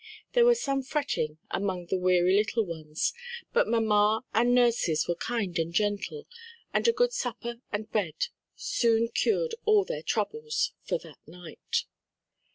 There was some fretting among the weary little ones, but mamma and nurses were kind and gentle, and a good supper and bed soon cured all their troubles for that night.